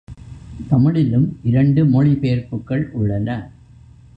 தமிழிலும் இரண்டு மொழி பெயர்ப்புகள் உள்ளன.